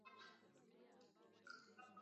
hadi mwaka elfu moja mia tisa sitini na nne